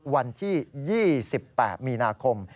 วันที่๒๘มีนาคม